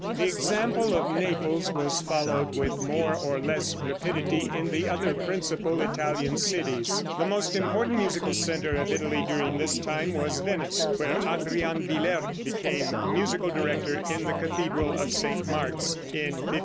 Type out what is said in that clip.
The example of Naples was followed with more or less rapidity in the other principal Italian cities. The most important musical center of Italy during this time was Venice, where Adrian Willaert became musical director in the cathedral of St. Mark's, in 1527.